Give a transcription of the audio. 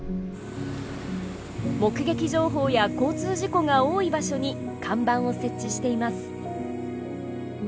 目撃情報や交通事故が多い場所に看板を設置しています。